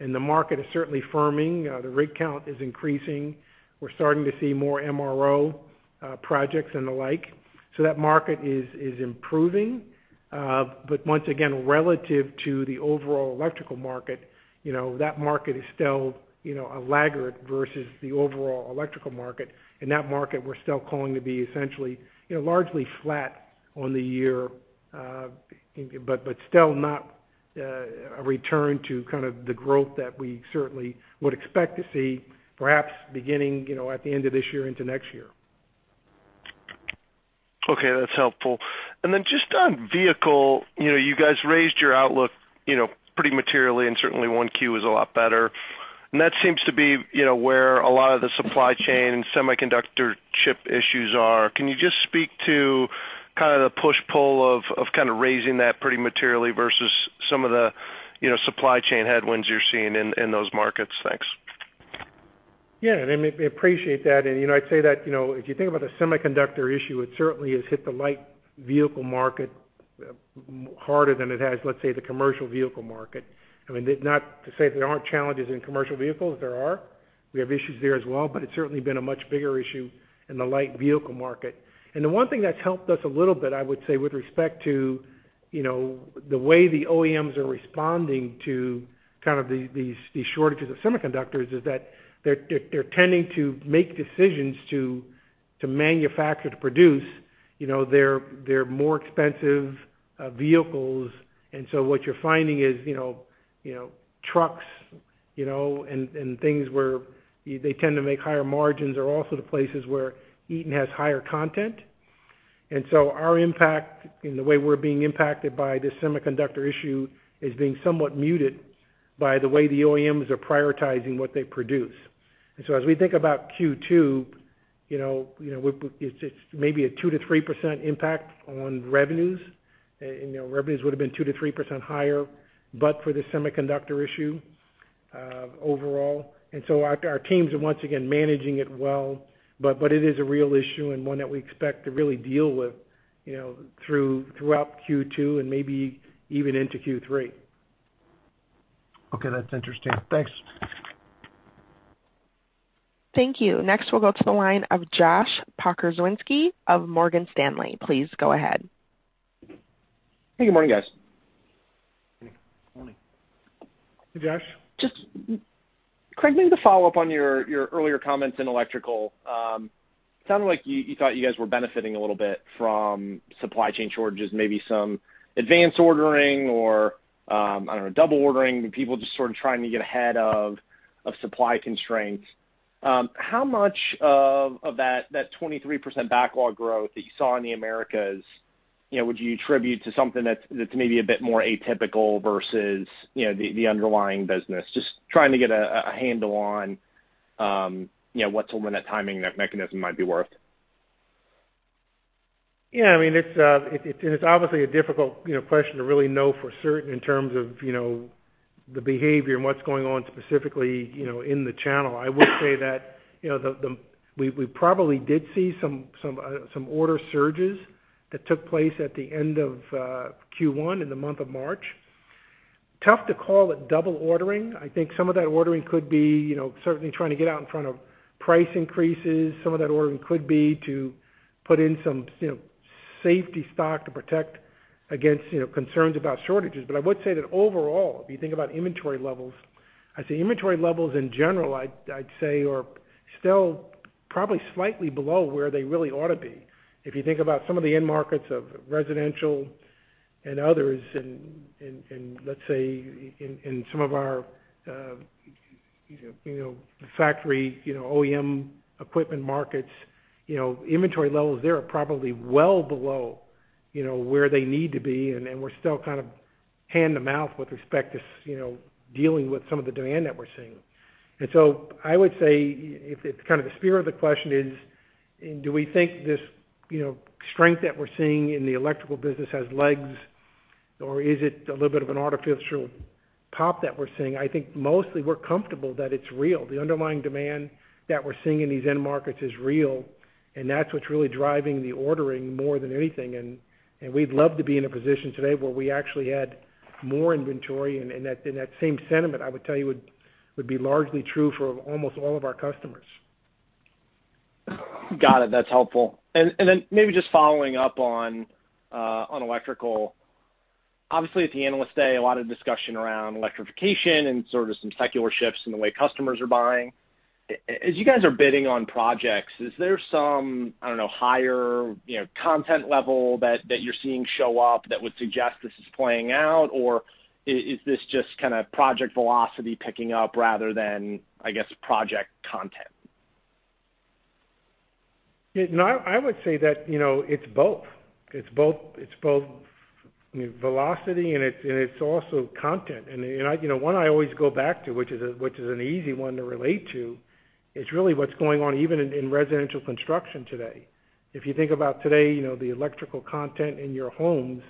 and the market is certainly firming, the rig count is increasing. We're starting to see more MRO projects and the like. That market is improving. Once again, relative to the overall electrical market, that market is still a laggard versus the overall electrical market. That market we're still calling to be essentially largely flat on the year. Still not a return to kind of the growth that we certainly would expect to see, perhaps beginning at the end of this year into next year. Okay, that's helpful. Then just on vehicle, you guys raised your outlook pretty materially and certainly Q1 is a lot better, and that seems to be where a lot of the supply chain and semiconductor chip issues are. Can you just speak to kind of the push-pull of kind of raising that pretty materially versus some of the supply chain headwinds you're seeing in those markets? Thanks. Yeah. I appreciate that. I'd say that, if you think about the semiconductor issue, it certainly has hit the light vehicle market harder than it has, let's say, the commercial vehicle market. Not to say there aren't challenges in commercial vehicles, there are. We have issues there as well, but it's certainly been a much bigger issue in the light vehicle market. The one thing that's helped us a little bit, I would say, with respect to the way the OEMs are responding to kind of these shortages of semiconductors is that they're tending to make decisions to manufacture, to produce their more expensive vehicles. What you're finding is trucks, and things where they tend to make higher margins are also the places where Eaton has higher content. Our impact, and the way we're being impacted by this semiconductor issue is being somewhat muted by the way the OEMs are prioritizing what they produce. As we think about Q2, it's maybe a 2%-3% impact on revenues. Revenues would have been 2%-3% higher, but for the semiconductor issue overall. Our teams are once again managing it well, but it is a real issue and one that we expect to really deal with throughout Q2 and maybe even into Q3. Okay. That's interesting. Thanks. Thank you. Next, we'll go to the line of Josh Pokrzywinski of Morgan Stanley. Please go ahead. Hey, good morning, guys. Morning. Hey, Josh. Craig, maybe to follow up on your earlier comments in electrical. It sounded like you thought you guys were benefiting a little bit from supply chain shortages, maybe some advance ordering or, I don't know, double ordering, people just sort of trying to get ahead of supply constraints. How much of that 23% backlog growth that you saw in the Americas, would you attribute to something that's maybe a bit more atypical versus the underlying business? Trying to get a handle on what some of that timing mechanism might be worth. Yeah. It's obviously a difficult question to really know for certain in terms of the behavior and what's going on specifically in the channel. I would say that we probably did see some order surges that took place at the end of Q1, in the month of March. Tough to call it double ordering. I think some of that ordering could be certainly trying to get out in front of price increases. Some of that ordering could be to put in some safety stock to protect against concerns about shortages. I would say that overall, if you think about inventory levels, I'd say inventory levels in general, I'd say are still probably slightly below where they really ought to be. If you think about some of the end markets of residential and others, and let's say in some of our factory OEM equipment markets, inventory levels there are probably well below where they need to be. We're still kind of hand to mouth with respect to dealing with some of the demand that we're seeing. I would say, if kind of the spirit of the question is, do we think this strength that we're seeing in the electrical business has legs, or is it a little bit of an artificial pop that we're seeing? I think mostly we're comfortable that it's real. The underlying demand that we're seeing in these end markets is real, and that's what's really driving the ordering more than anything. We'd love to be in a position today where we actually had more inventory, and that same sentiment, I would tell you, would be largely true for almost all of our customers. Got it. That's helpful. Maybe just following up on electrical. Obviously, at the Analyst Day, a lot of discussion around electrification and sort of some secular shifts in the way customers are buying. As you guys are bidding on projects, is there some, I don't know, higher content level that you're seeing show up that would suggest this is playing out? Is this just kind of project velocity picking up rather than, I guess, project content? No, I would say that it's both. It's both velocity and it's also content. One I always go back to, which is an easy one to relate to, is really what's going on even in residential construction today. If you think about today, the electrical content in your homes,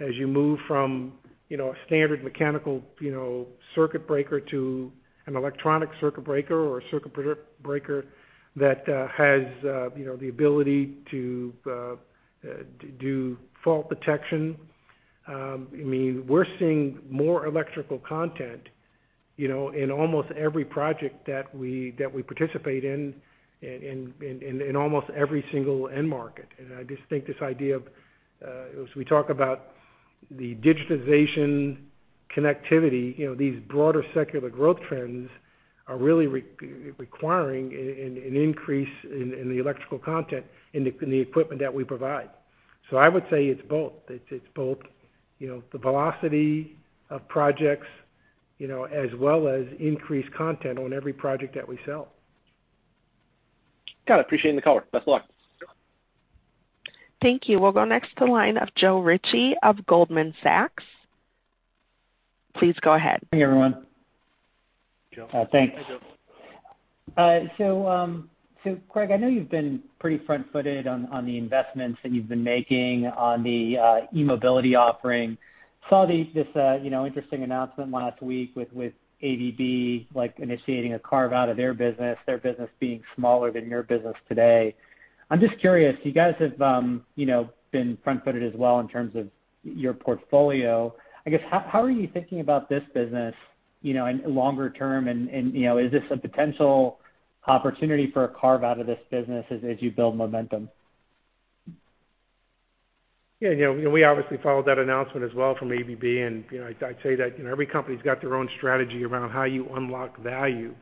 as you move from a standard mechanical circuit breaker to an electronic circuit breaker, or a circuit breaker that has the ability to do fault protection. We're seeing more electrical content in almost every project that we participate in almost every single end market. I just think this idea of, as we talk about the digitization connectivity, these broader secular growth trends are really requiring an increase in the electrical content in the equipment that we provide. I would say it's both. It's both the velocity of projects, as well as increased content on every project that we sell. Got it. Appreciate the color. Best of luck. Thank you. We'll go next to the line of Joe Ritchie of Goldman Sachs. Please go ahead. Hey, everyone. Joe. Thanks. Hey, Joe. Craig, I know you've been pretty front-footed on the investments that you've been making on the eMobility offering. Saw this interesting announcement last week with ABB initiating a carve-out of their business, their business being smaller than your business today. I'm just curious, you guys have been front-footed as well in terms of your portfolio. I guess, how are you thinking about this business in longer term, and is this a potential opportunity for a carve-out of this business as you build momentum? Yeah, we obviously followed that announcement as well from ABB. I'd say that every company's got their own strategy around how you unlock value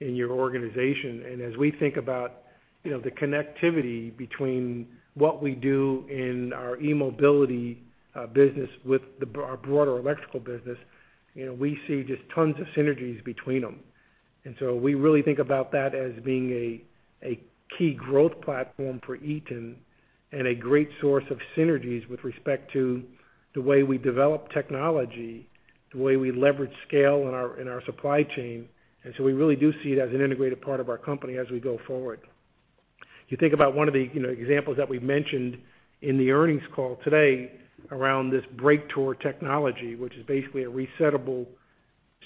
in your organization. As we think about the connectivity between what we do in our eMobility business with our broader electrical business, we see just tons of synergies between them. We really think about that as being a key growth platform for Eaton and a great source of synergies with respect to the way we develop technology, the way we leverage scale in our supply chain. We really do see it as an integrated part of our company as we go forward. If you think about one of the examples that we mentioned in the earnings call today around this Breaktor technology, which is basically a resettable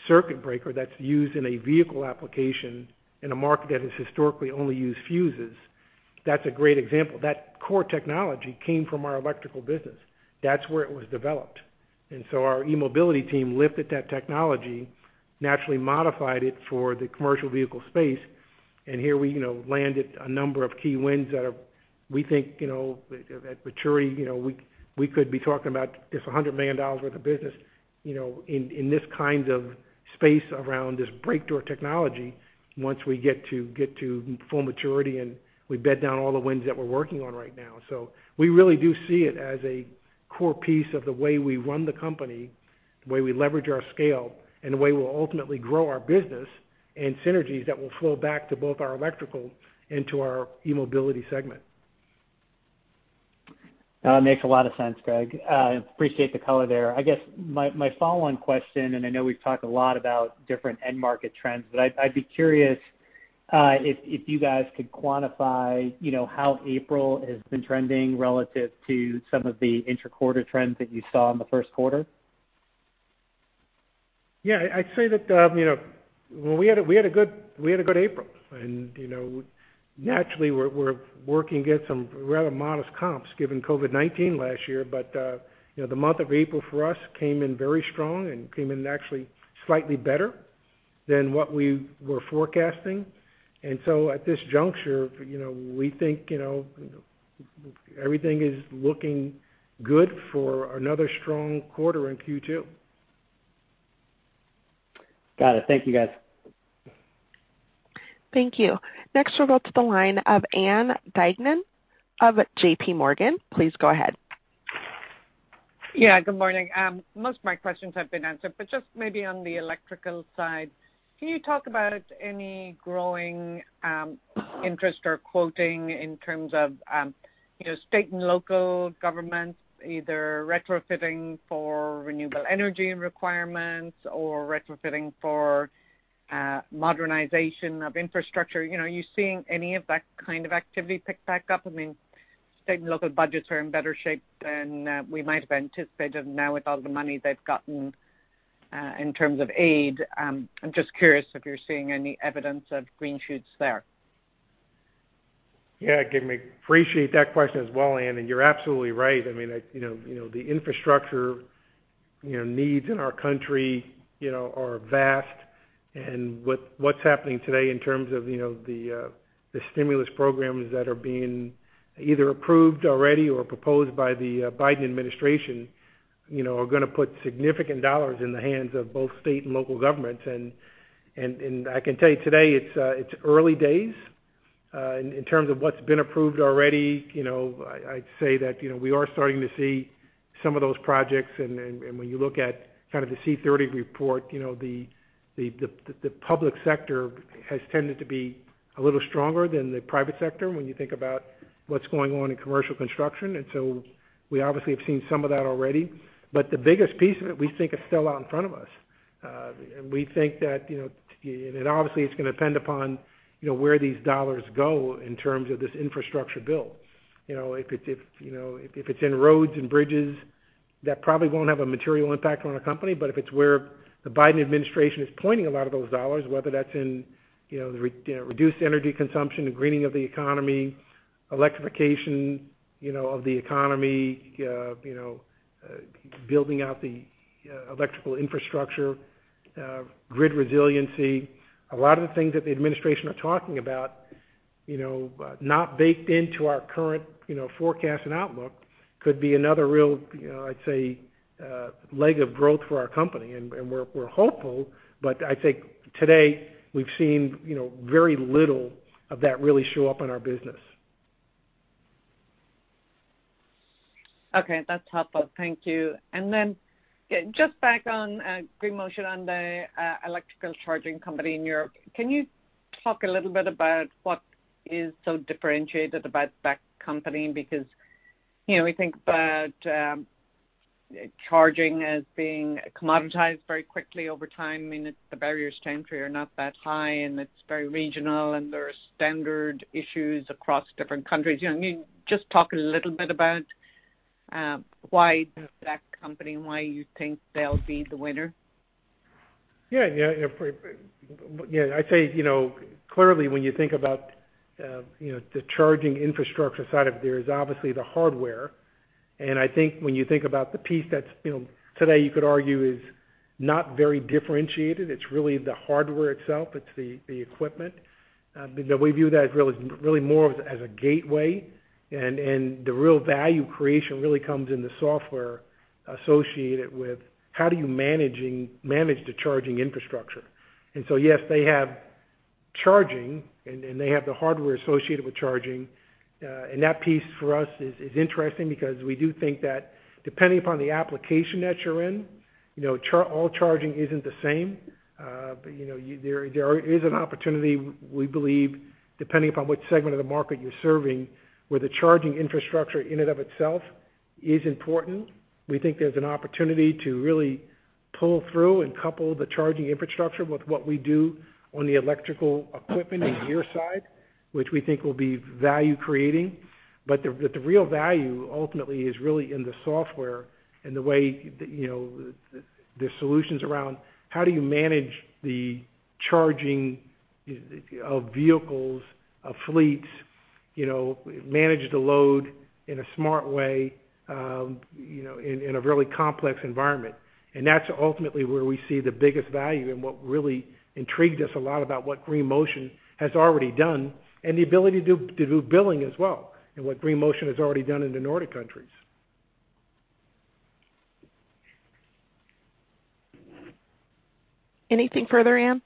circuit breaker that's used in a vehicle application in a market that has historically only used fuses, that's a great example. That core technology came from our Electrical business. That's where it was developed. Our eMobility team lifted that technology, naturally modified it for the commercial vehicle space, and here we landed a number of key wins that we think at maturity, we could be talking about it's $100 million worth of business, in this kind of space around this Breaktor technology once we get to full maturity, and we bed down all the wins that we're working on right now. We really do see it as a core piece of the way we run the company, the way we leverage our scale, and the way we'll ultimately grow our business and synergies that will flow back to both our Electrical and to our eMobility segment. Makes a lot of sense, Craig. Appreciate the color there. I know we've talked a lot about different end market trends, but I'd be curious if you guys could quantify how April has been trending relative to some of the inter-quarter trends that you saw in the first quarter. Yeah, I'd say that we had a good April and naturally, we're working against some rather modest comps given COVID-19 last year. The month of April for us came in very strong and came in actually slightly better than what we were forecasting. At this juncture, we think everything is looking good for another strong quarter in Q2. Got it. Thank you, guys. Thank you. Next we'll go to the line of Ann Duignan of JPMorgan. Please go ahead. Yeah, good morning. Most of my questions have been answered. Just maybe on the electrical side, can you talk about any growing interest or quoting in terms of state and local governments, either retrofitting for renewable energy requirements or retrofitting for modernization of infrastructure? Are you seeing any of that kind of activity pick back up? State and local budgets are in better shape than we might have anticipated now with all the money they've gotten in terms of aid. I'm just curious if you're seeing any evidence of green shoots there. Yeah. I appreciate that question as well, Ann, you're absolutely right. The infrastructure needs in our country are vast and what's happening today in terms of the stimulus programs that are being either approved already or proposed by the Biden administration are going to put significant dollars in the hands of both state and local governments. I can tell you today, it's early days in terms of what's been approved already. I'd say that we are starting to see some of those projects, when you look at kind of the C30 report, the public sector has tended to be a little stronger than the private sector when you think about what's going on in commercial construction. We obviously have seen some of that already. The biggest piece of it we think is still out in front of us. We think that, and obviously it's going to depend upon where these dollars go in terms of this infrastructure bill. If it's in roads and bridges, that probably won't have a material impact on our company. If it's where the Biden administration is pointing a lot of those dollars, whether that's in reduced energy consumption, the greening of the economy, electrification of the economy, building out the electrical infrastructure, grid resiliency, a lot of the things that the administration are talking about, not baked into our current forecast and outlook, could be another real, I'd say leg of growth for our company. We're hopeful, but I think today we've seen very little of that really show up in our business. Okay. That's helpful. Thank you. Then just back on Green Motion on the electrical charging company in Europe. Can you talk a little bit about what is so differentiated about that company? We think about charging as being commoditized very quickly over time, the barriers to entry are not that high, and it's very regional, and there are standard issues across different countries. Can you just talk a little bit about why that company and why you think they'll be the winner? Yeah. I'd say, clearly when you think about the charging infrastructure side of it, there's obviously the hardware. I think when you think about the piece that today you could argue is not very differentiated, it's really the hardware itself, it's the equipment. We view that as really more of as a gateway, and the real value creation really comes in the software associated with how do you manage the charging infrastructure. Yes, they have charging, and they have the hardware associated with charging. That piece for us is interesting because we do think that depending upon the application that you're in, all charging isn't the same. There is an opportunity, we believe, depending upon which segment of the market you're serving, where the charging infrastructure in and of itself is important. We think there's an opportunity to really pull through and couple the charging infrastructure with what we do on the electrical equipment and gear side, which we think will be value creating. The real value ultimately is really in the software and the way the solutions around how do you manage the charging of vehicles, of fleets, manage the load in a smart way in a really complex environment. That's ultimately where we see the biggest value and what really intrigued us a lot about what Green Motion has already done and the ability to do billing as well, and what Green Motion has already done in the Nordic countries. Anything further, Ann?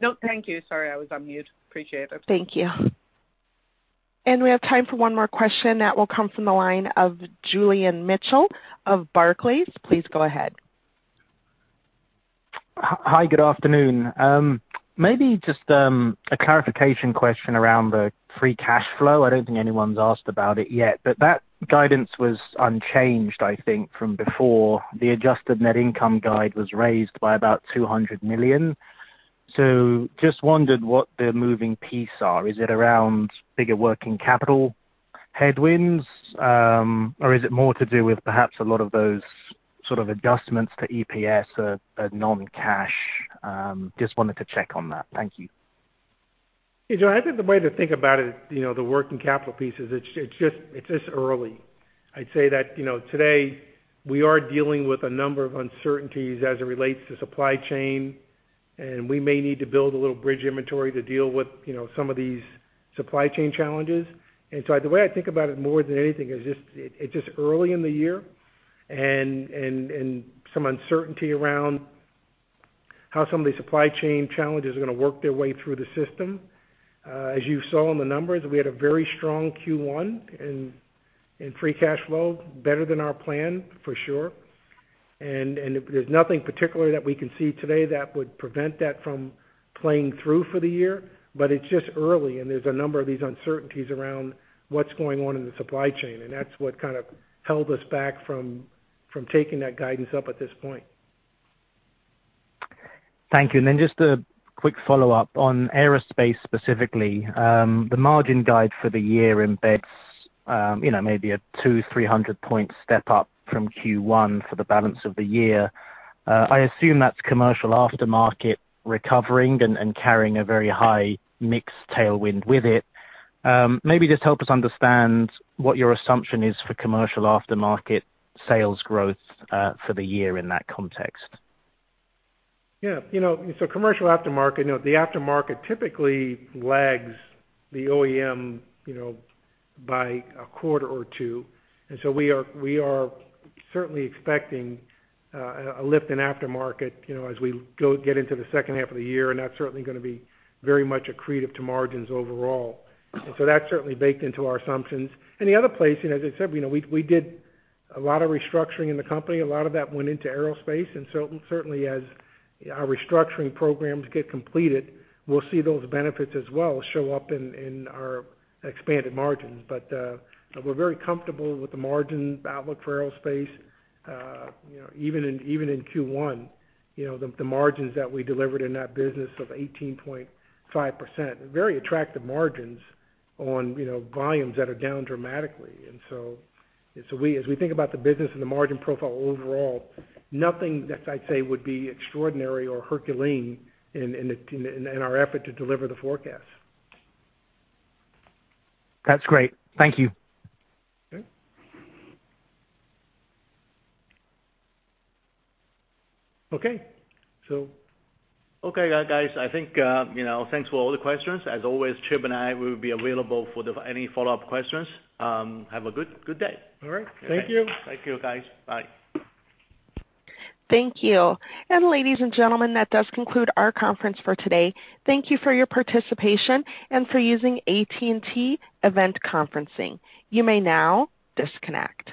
No, thank you. Sorry, I was on mute. Appreciate it. Thank you. We have time for one more question that will come from the line of Julian Mitchell of Barclays. Please go ahead. Hi, good afternoon. Maybe just a clarification question around the free cash flow. I don't think anyone's asked about it yet, but that guidance was unchanged, I think, from before. The adjusted net income guide was raised by about $200 million. Just wondered what the moving pieces are. Is it around bigger working capital headwinds, or is it more to do with perhaps a lot of those sort of adjustments to EPS are non-cash? Just wanted to check on that. Thank you. Joe, I think the way to think about it, the working capital piece is it's just early. I'd say that today we are dealing with a number of uncertainties as it relates to supply chain, and we may need to build a little bridge inventory to deal with some of these supply chain challenges. The way I think about it more than anything is just, it's just early in the year and some uncertainty around how some of the supply chain challenges are going to work their way through the system. As you saw in the numbers, we had a very strong Q1 in free cash flow, better than our plan, for sure. There's nothing particular that we can see today that would prevent that from playing through for the year. It's just early and there's a number of these uncertainties around what's going on in the supply chain, and that's what kind of held us back from taking that guidance up at this point. Thank you. Just a quick follow-up on aerospace specifically. The margin guide for the year embeds maybe a 200, 300-point step up from Q1 for the balance of the year. I assume that's commercial aftermarket recovering and carrying a very high mix tailwind with it. Maybe just help us understand what your assumption is for commercial aftermarket sales growth for the year in that context. Yeah. Commercial aftermarket, the aftermarket typically lags the OEM by a quarter or two. We are certainly expecting a lift in aftermarket as we get into the second half of the year, and that's certainly going to be very much accretive to margins overall. That's certainly baked into our assumptions. The other place, as I said, we did a lot of restructuring in the company. A lot of that went into aerospace. Certainly as our restructuring programs get completed, we'll see those benefits as well show up in our expanded margins. We're very comfortable with the margin outlook for aerospace. Even in Q1, the margins that we delivered in that business of 18.5%, very attractive margins on volumes that are down dramatically. As we think about the business and the margin profile overall, nothing that I'd say would be extraordinary or Herculean in our effort to deliver the forecast. That's great. Thank you. Okay. Okay. Okay, guys, thanks for all the questions. As always, Craig Arnold and I will be available for any follow-up questions. Have a good day. All right. Thank you. Thank you, guys. Bye. Thank you. Ladies and gentlemen, that does conclude our conference for today. Thank you for your participation and for using AT&T Teleconference Service. You may now disconnect.